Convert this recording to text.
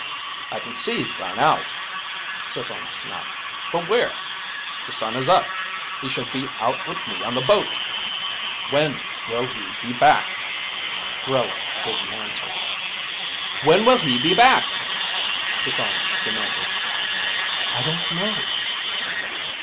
"I can see he's gone out," Cithon snapped. "But where? The sun is up. He should be out with me on the boat. When will he be back?" Grella didn't answer. "When will he be back?" Cithon demanded. "I don't know."